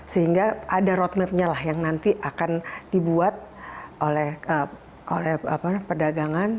sehingga ada roadmapnya lah yang nanti akan dibuat oleh perdagangan